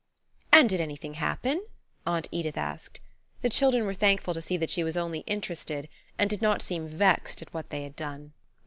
"And did anything happen?" Aunt Edith asked. The children were thankful to see that she was only interested, and did not seem vexed at what they had done.